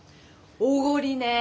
おごりね。